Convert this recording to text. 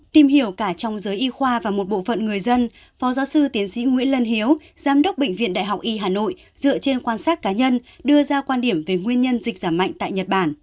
tìm hiểu cả trong giới y khoa và một bộ phận người dân phó giáo sư tiến sĩ nguyễn lân hiếu giám đốc bệnh viện đại học y hà nội dựa trên quan sát cá nhân đưa ra quan điểm về nguyên nhân dịch giảm mạnh tại nhật bản